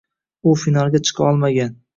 U finalga chiqa olmagan.